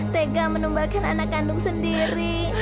tega menumbalkan anak kandung sendiri